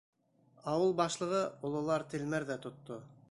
Ауыл башлығы, ололар телмәр ҙә тотто.